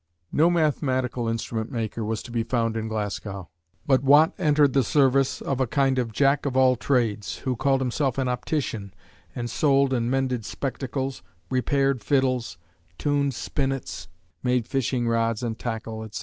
No mathematical instrument maker was to be found in Glasgow, but Watt entered the service of a kind of jack of all trades, who called himself an "optician" and sold and mended spectacles, repaired fiddles, tuned spinets, made fishing rods and tackle, etc.